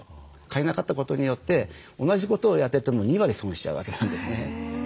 替えなかったことによって同じことをやってても２割損しちゃうわけなんですね。